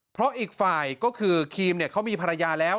เพราะอีกฝ่ายก็คือครีมเขามีภรรยาแล้ว